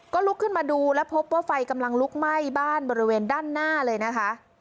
ก็ลุกขึ้นมาดูแล้วพบว่าไฟกำลังลุกไหม้บ้านบริเวณด้านหน้าเลยนะคะ